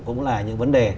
cũng là những vấn đề